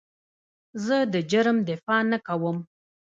زه د جرم دفاع نه کوم.